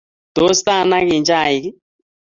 Tos ta anagin chaik ii?